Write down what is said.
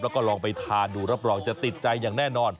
แล้วก็ลองไปทานดูรับรองจะติดใจอย่างแน่นอน